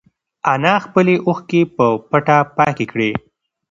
انا خپلې اوښکې په پټه پاکې کړې.